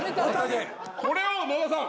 これを野田さん